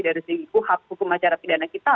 dari segi kuhab hukum acara pidana kita